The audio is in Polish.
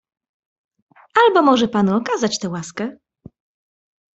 "Albo może panu okazać tę łaskę?"